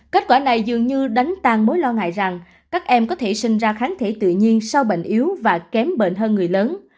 kết quả này dường như đánh tan mối lo ngại rằng các em có thể sinh ra kháng thể tự nhiên sau bệnh yếu và kém bệnh hơn người lớn